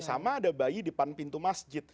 sama ada bayi depan pintu masjid